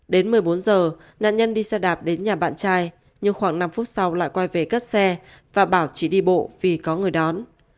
đến một mươi bốn h nạn nhân đi xe đạp đến nhà bạn trai nhưng khoảng năm phút sau lại quay về cất xe và bảo chỉ đi bộ vì có người đón